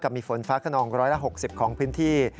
กับมีฝนฟ้ากระนอง๑๖๐ของพื้นที่